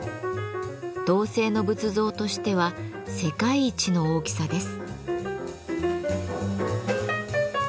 銅製の仏像としては世界一の大きさです。